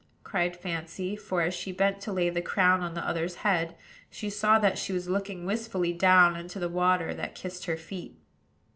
cried Fancy; for, as she bent to lay the crown on the other's head, she saw that she was looking wistfully down into the water that kissed her feet.